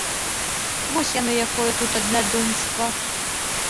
Вось яно якое тут аднадумства!